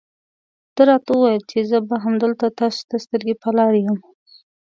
ده راته وویل چې زه به همدلته تاسو ته سترګې په لار یم.